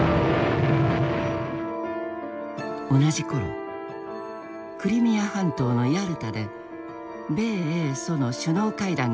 同じ頃クリミア半島のヤルタで米英ソの首脳会談が開かれた。